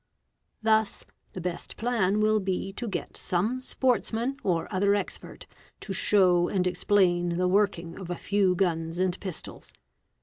Th 7 the best plan will be to get some sportsman or other expert to show and explain the working of a few guns and pistols.